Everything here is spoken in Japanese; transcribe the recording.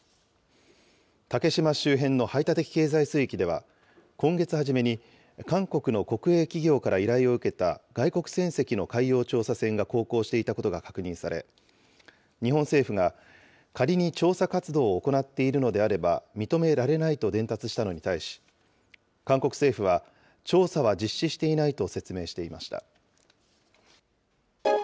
竹島周辺の排他的経済水域では、今月初めに、韓国の国営企業から依頼を受けた外国船籍の海洋調査船が航行していたことが確認され、日本政府が仮に調査活動を行っているのであれば、認められないと伝達したのに対し、韓国政府は、調査は実施していないと説明していました。